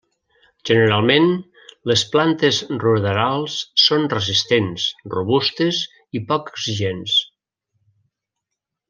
Generalment les plantes ruderals són resistents, robustes i poc exigents.